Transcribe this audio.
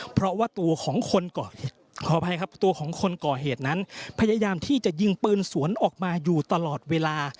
เพราะว่าตัวของคนก่อเหตุนั้นพยายามที่จะยิงเปินสวนออกมาอยู่ตลอดเวลา